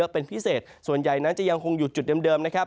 เป็นพิเศษส่วนใหญ่นั้นจะยังคงอยู่จุดเดิมนะครับ